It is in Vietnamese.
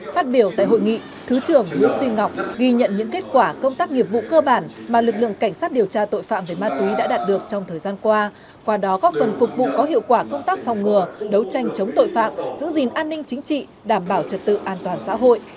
phát biểu tại hội nghị thứ trưởng nguyễn duy ngọc ghi nhận những kết quả công tác nghiệp vụ cơ bản mà lực lượng cảnh sát điều tra tội phạm về ma túy đã đạt được trong thời gian qua qua đó góp phần phục vụ có hiệu quả công tác phòng ngừa đấu tranh chống tội phạm giữ gìn an ninh chính trị đảm bảo trật tự an toàn xã hội